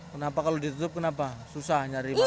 kenapa kalau ditutup kenapa susah nyari